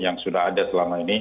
yang sudah ada selama ini